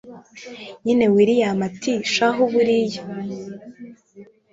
nyine william ati shahu buriya